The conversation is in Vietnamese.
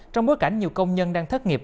trong bối cảnh nhiều công nhân đang thất nghiệp